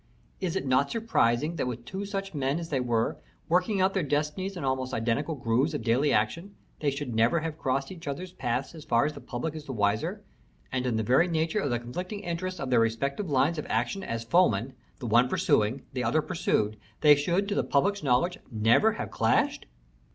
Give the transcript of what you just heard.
Is it not surprising that with two such men as they were, working out their destinies in almost identical grooves of daily action, they should never have crossed each other's paths as far as the public is the wiser, and in the very nature of the conflicting interests of their respective lines of action as foemen, the one pursuing, the other pursued, they should to the public's knowledge never have clashed?"